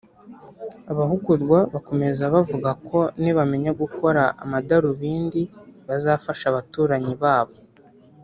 Abahugurwa bakomeza bavuga ko nibamenya gukora amadarubindi bazafasha abaturanyi ba bo